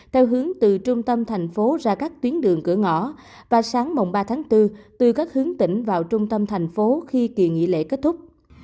theo hướng từ trung tâm thành phố ra các tuyến đường cửa ngõ và sáng mồng ba tháng bốn từ các hướng tỉnh vào trung tâm thành phố khi kỳ nghỉ lễ kết thúc